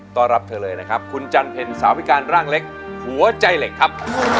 รับเธอเลยนะครับคุณจันเพ็ญสาวพิการร่างเล็กหัวใจเหล็กครับ